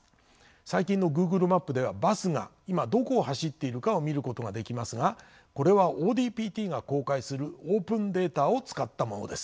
最近のＧｏｏｇｌｅマップではバスが今どこを走っているかを見ることができますがこれはＯＤＰＴが公開するオープンデータを使ったものです。